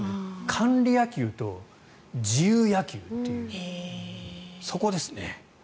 管理野球と自由野球というそこですね。